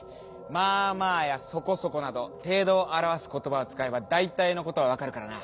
「まあまあ」や「そこそこ」など「ていどをあらわすことば」をつかえばだいたいのことはわかるからな。